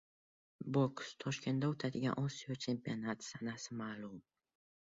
Boks: Toshkentda o‘tadigan Osiyo chempionati sanasi ma’lum